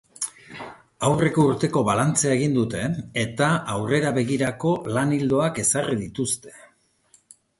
Aurreko urteko balantzea egin dute, eta aurrera begirako lan-ildoak ezarri dituzte.